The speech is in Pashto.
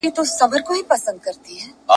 د ادب په تقریباً هره ساحه کي !.